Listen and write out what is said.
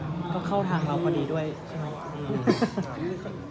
เงินก็เข้าทางเราพอดีด้วยใช่มั้ย